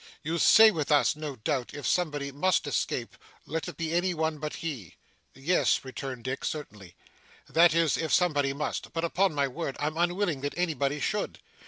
You say with us, no doubt, if somebody must escape, let it be any one but he.' 'Yes,' returned Dick, 'certainly. That is if somebody must but upon my word, I'm unwilling that anybody should.